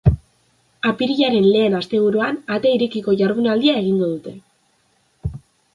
Apirilaren lehen asteburuan, ate irekiko jardunaldia egingo dute.